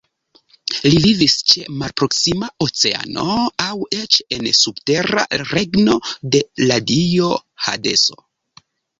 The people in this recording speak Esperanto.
Li vivis ĉe malproksima Oceano aŭ eĉ en subtera regno de la dio Hadeso.